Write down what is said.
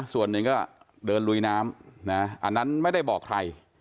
ส่วนหนึ่งก็เดินลุยน้ำอันนั้นไม่ได้บอกใคร